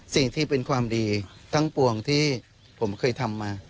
สิ่งที่เป็นความดีทั้งปวงที่ผมเคยทำมา